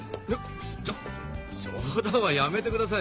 じょ冗談はやめてください